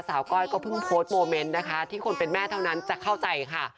ก้อยก็เพิ่งโพสต์โมเมนต์นะคะที่คนเป็นแม่เท่านั้นจะเข้าใจค่ะ